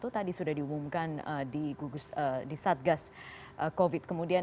tadi sudah diumumkan di satgas covid kemudian